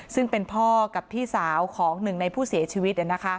ซึ่งเป็นพ่อกับพี่สาวของหนึ่งในผู้เสียชีวิต